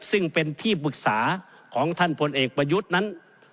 ซึ่งเป็นที่ปรึกษาของท่านพลเอกประยุทธ์นั้น